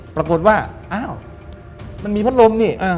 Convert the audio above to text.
ปรากฏว่าอ้าวมันมีพัดลมนี่